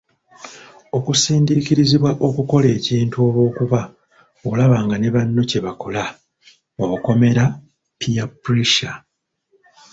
Okusindiikirizibwa okukola ekintu olw'okuba olaba nga ne banno kye bakola (peer pressure).